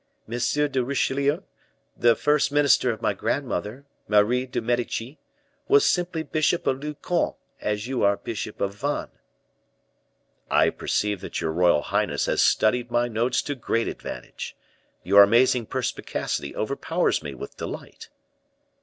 de Richelieu, the first minister of my grandmother, Marie de Medici, was simply bishop of Lucon, as you are bishop of Vannes." "I perceive that your royal highness has studied my notes to great advantage; your amazing perspicacity overpowers me with delight."